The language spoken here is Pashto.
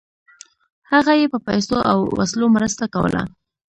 هغه یې په پیسو او وسلو مرسته کوله.